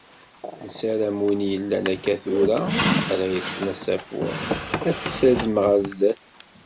Nessaram win yellan akka tura, ara yeṭṭfen asafu, ad t-ssazen ɣer sdat.